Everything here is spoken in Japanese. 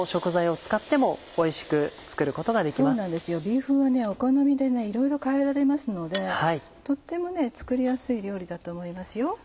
ビーフンはねお好みでねいろいろ変えられますのでとっても作りやすい料理だと思いますよ。